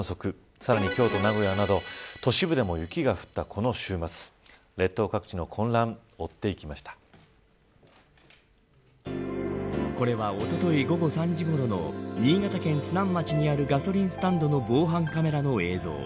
さらに京都、名古屋など都市部でも雪が降ったこの週末列島各地の混乱をこれはおととい午後３時ごろの新潟県津南町にあるガソリンスタンドの防犯カメラの映像。